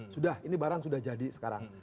sudah ini barang sudah jadi sekarang